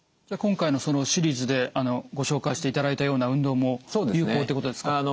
じゃあ今回のシリーズでご紹介していただいたような運動も有効ってことですか？